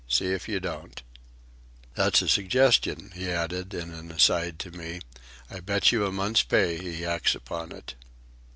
See if you don't." "That's a suggestion," he added, in an aside to me. "I'll bet you a month's pay he acts upon it."